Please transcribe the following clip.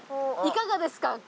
いかがですか？